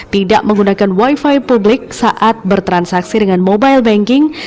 tidak menggunakan wifi publik saat bertransaksi dengan mobile banking